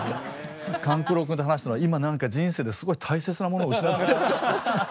官九郎君と話したのは今なんか人生ですごい大切なものを失った。